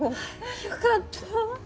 よかった。